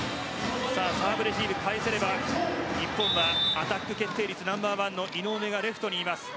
サーブレシーブを返せるは日本はアタック決定率ナンバーワンの井上がレフトにいます。